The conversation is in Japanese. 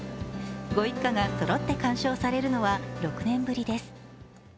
ご一家がそろって鑑賞されるのは６年ぶりです。